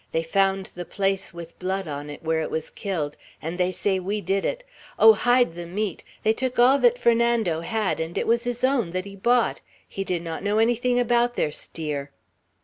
They found the place, with blood on it, where it was killed; and they say we did it. Oh, hide the meat! They took all that Fernando had; and it was his own, that he bought; he did not know anything about their steer!"